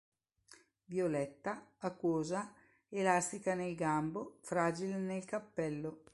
Violetta, acquosa, elastica nel gambo, fragile nel cappello.